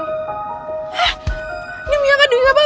ini miyak adunya apa